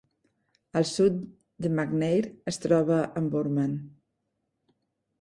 Al sud de McNair es troba en Borman.